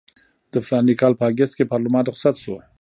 د فلاني کال په اګست کې پارلمان رخصت شو.